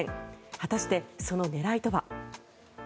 果たしてその狙いとは。